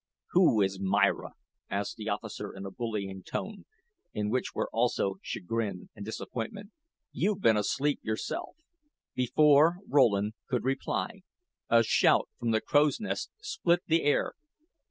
"Who is Myra?" asked the officer in a bullying tone, in which were also chagrin and disappointment. "You've been asleep yourself." Before Rowland could reply a shout from the crow's nest split the air.